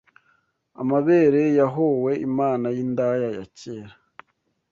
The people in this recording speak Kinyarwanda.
Amabere yahowe Imana yindaya ya kera